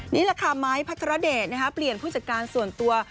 นี่แหละค่ะไม้พัทรเดชเปลี่ยนผู้จัดการส่วนตัว